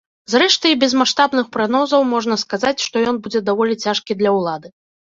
Зрэшты, і без маштабных прагнозаў можна сказаць, што ён будзе даволі цяжкі для ўлады.